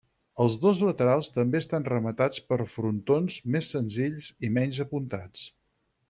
Els dos laterals també estan rematats per frontons més senzills i menys apuntats.